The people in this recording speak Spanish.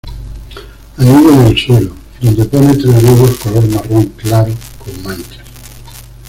Anida en el suelo, donde pone tres huevos color marrón claro con manchas.